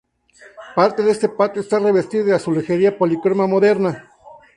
Parte de este patio está revestido de azulejería polícroma moderna.